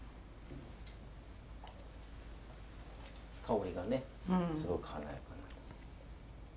香りがねすごく華やかな。